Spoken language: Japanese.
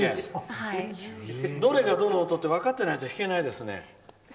どれがどの音って分かってないと弾けないですね。